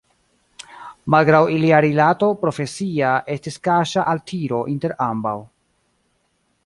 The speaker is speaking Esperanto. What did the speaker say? Malgraŭ ilia rilato profesia estis kaŝa altiro inter ambaŭ.